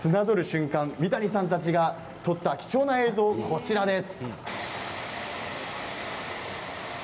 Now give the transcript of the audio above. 漁る瞬間も三谷さんたちが撮った貴重な映像です。